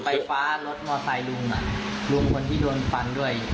ไฟฟ้ารถมอไซค์ลุงคนที่โดนฟันด้วย